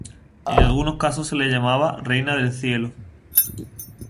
En algunos casos se la llamaba "Reina del Cielo".